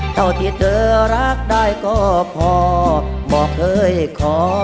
เท่าที่เธอรักได้ก็พอบอกเคยขอ